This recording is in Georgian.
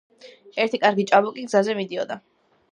ერთი კარგი ჭაბუკი გზაზე მიდოდა